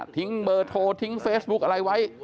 เบอร์โทรทิ้งเฟซบุ๊คอะไรไว้